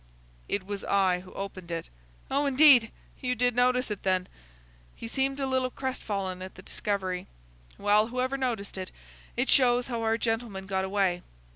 "It was I who opened it." "Oh, indeed! You did notice it, then?" He seemed a little crestfallen at the discovery. "Well, whoever noticed it, it shows how our gentleman got away.